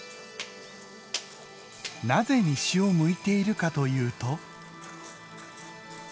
なぜ西を向いているかというと。